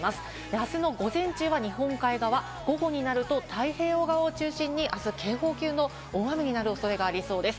あすの午前中は日本海側、午後になると太平洋側を中心にあす、警報級の大雨になる恐れがありそうです。